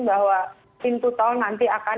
bahwa pintu tol nanti akan